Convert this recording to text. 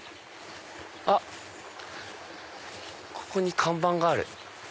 あっここに看板がある。